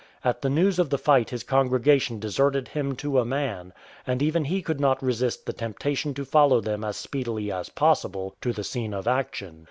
At the news of the fight his congregation deserted him to a man, and even he could not resist the temptation to follow them as speedily as possible to the scene of action.